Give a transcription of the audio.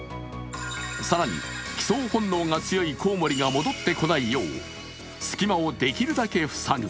更に帰巣本能が強いコウモリが戻ってこないよう隙間をできるだけ塞ぐ。